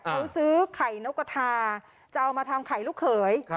เขาซื้อไข่นกกระทาจะเอามาทำไข่ลูกเขย